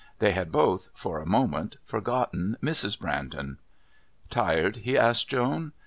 They had both, for a moment, forgotten Mrs. Brandon. "Tired?" he asked Joan.